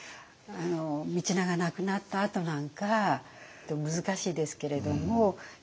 道長亡くなったあとなんか難しいですけれども。